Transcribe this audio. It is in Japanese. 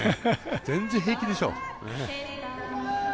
全然平気でしょ。